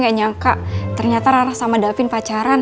gue gak nyangka ternyata ra ra sama daffin pacaran